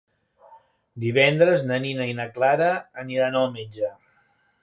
Divendres na Nina i na Clara aniran al metge.